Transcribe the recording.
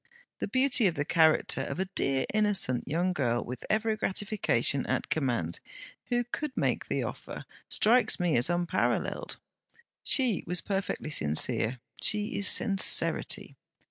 The beauty of the character of a dear innocent young girl, with every gratification at command, who could make the offer, strikes me as unparalleled. She was perfectly sincere she is sincerity.